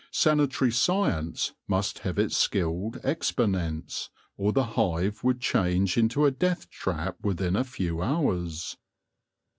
Sanitary science must have its skilled exponents, or the hive would change into a death trap within a few hours.